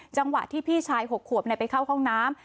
จังหวะที่พี่ชาย๖ขวบไปเข้าห้องน้ำ